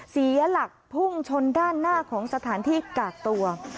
เสียหลักพุ่งชนด้านหน้าของสถานที่กากตัว